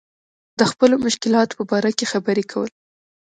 د خپلو مشکلاتو په باره کې خبرې کول.